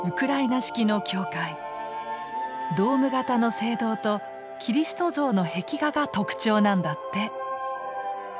ドーム形の聖堂とキリスト像の壁画が特徴なんだって。